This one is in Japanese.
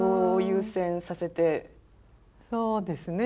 そうですね。